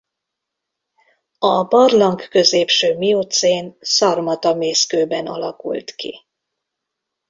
A barlang középső miocén szarmata mészkőben alakult ki.